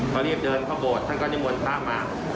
พอรีบเดินพราคมันมา